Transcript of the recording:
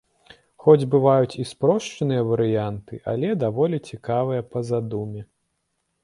Хоць бываюць і спрошчаныя варыянты, але даволі цікавыя па задуме.